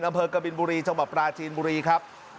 อำเภอกบินบุรีชมปราชีนบุรีครับ